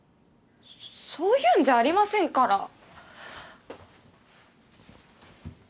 そそういうんじゃありませんから！